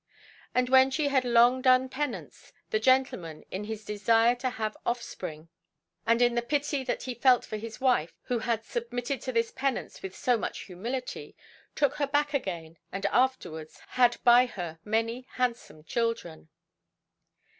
And when she had long done penance, the gentleman, in his desire to have offspring, and in the pity that he felt for his wife who had submitted to this penance with so much humility, took her back again and afterwards had by her many handsome children.